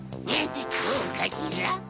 こうかしら？